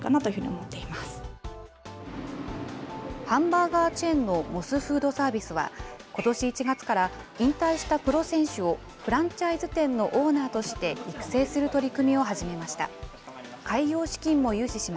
ハンバーガーチェーンのモスフードサービスは、ことし１月から引退したプロ選手をフランチャイズ店のオーナーとして育成する取り組みを始めました。